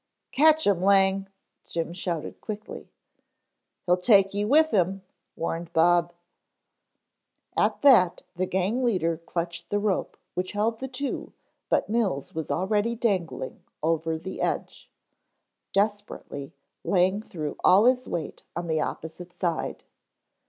"Catch him, Lang," Jim shouted quickly. "He'll take you with him," warned Bob. At that the gang leader clutched the rope which held the two but Mills was already dangling over the edge. Desperately Lang threw all his weight on the opposite side.